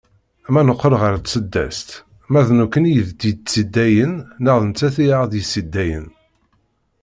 Ma neqqel ɣer tseddast, ma d nekkni i d tt-yesseddayen neɣ d nettat i d aɣ-yesseddayen?